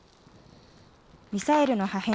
ミサイルの破片